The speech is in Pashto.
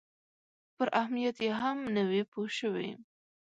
پر اهمیت یې هم نه وي پوه شوي.